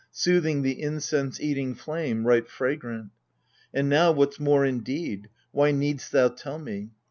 Soothing the incense eating flame right fragrant. And now, what's more, indeed, why need'st thou tell me